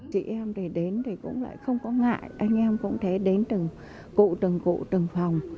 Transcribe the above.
chị em đến thì cũng không có ngại anh em cũng thế đến từng cụ từng cụ từng phòng